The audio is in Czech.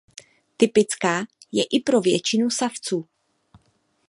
Typická je i pro většinu savců.